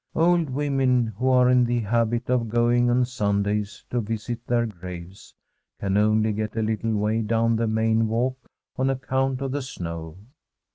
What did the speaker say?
Old women who are in the habit of going on Sundays to visit their graves can only get a little way down the main walk on account of the snow.